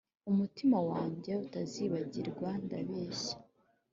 umutima wanjye utazibagirwa ndabeshya.